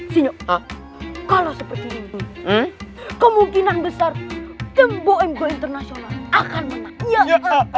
sinyok kalau seperti ini kemungkinan besar tembok mgo internasional akan menang